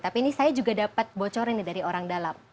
tapi ini saya juga dapat bocorin dari orang dalam